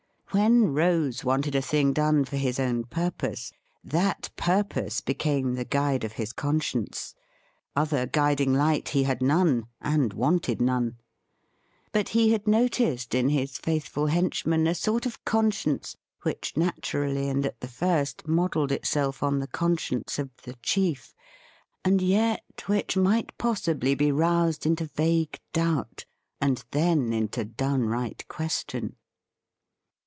When Rose wanted a thing done for his own purpose, that purpose became the guide of his conscience; other guiding light he had none, and wanted none. But he had noticed in his faithful henchman a sort of conscience which naturally and at the first modelled itself on the conscience of the chief, and yet which might possibly be roused into vague doubt, and then into downright question.